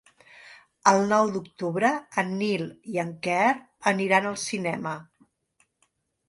El nou d'octubre en Nil i en Quer aniran al cinema.